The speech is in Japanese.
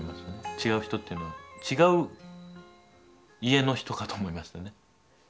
違う人っていうのは違う家の人かと思いましたね。